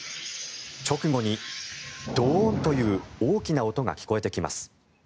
直後にドーンという大きな音が聞こえてきます。